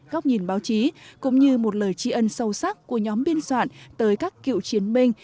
góc nhìn báo chí cũng như một lời tri ân sâu sắc của nhóm biên soạn tới các cựu chiến binh